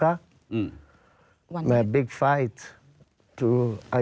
มันไม่มีไปอีกจะเห็นพวกคุณรู้มั้ย